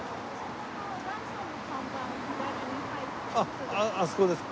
あっあそこです？